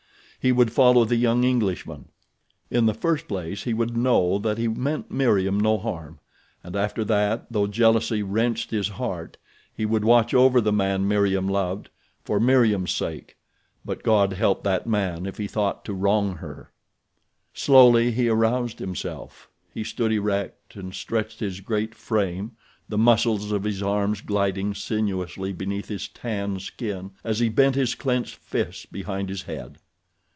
He would follow the young Englishman. In the first place he would know that he meant Meriem no harm, and after that, though jealousy wrenched his heart, he would watch over the man Meriem loved, for Meriem's sake; but God help that man if he thought to wrong her! Slowly he aroused himself. He stood erect and stretched his great frame, the muscles of his arms gliding sinuously beneath his tanned skin as he bent his clenched fists behind his head.